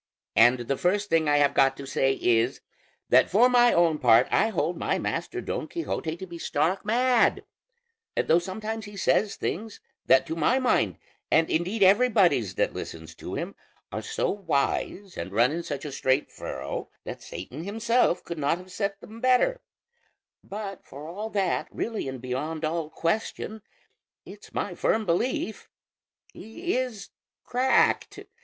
And the first thing I have got to say is, that for my own part I hold my master Don Quixote to be stark mad, though sometimes he says things that to my mind, and indeed everybody's that listens to him, are so wise and run in such a straight furrow that Satan himself could not have said them better; but for all that, really and beyond all question, it's my firm belief he is cracked.